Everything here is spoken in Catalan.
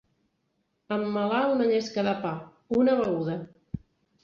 Emmelar una llesca de pa, una beguda.